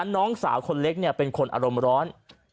น้องสาวคนเล็กเป็นคนอารมณ์ร้อน